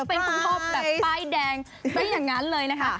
เป็นคุณพ่อแบบป้ายแดงซะอย่างนั้นเลยนะคะ